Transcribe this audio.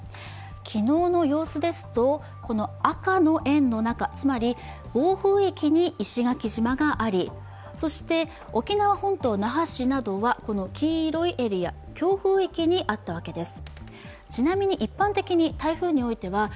昨日の様子ですとこの赤の円の中、つまり暴風域に石垣島があり、そして沖縄本島那覇市などはこの黄色いエリア、強風域にあったわけです。